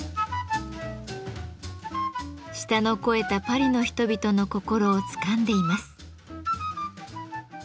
舌の肥えたパリの人々の心をつかんでいます。